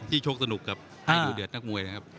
ที่ชกสนุกกับดูเดือดแทนกมวยนะครับ